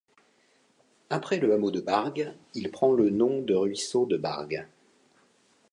Après le hameau de Bargues, il prend le nom de ruisseau de Bargues.